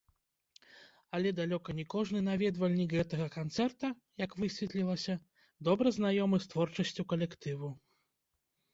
Але далёка не кожны наведвальнік гэтага канцэрта, як высветлілася, добра знаёмы з творчасцю калектыву.